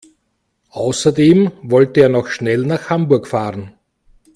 Außerdem wollte er noch schnell nach Hamburg fahren